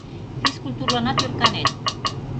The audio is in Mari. Физкультурланат ӧрканет...